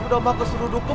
sudah makan seluruh dukemu